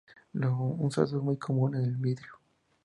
Un sustrato muy común es el vidrio.